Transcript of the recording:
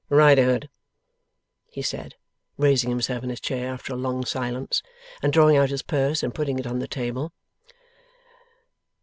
'Riderhood,' he said, raising himself in his chair, after a long silence, and drawing out his purse and putting it on the table.